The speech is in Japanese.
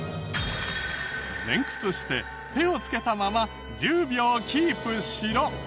前屈して手をつけたまま１０秒キープしろ。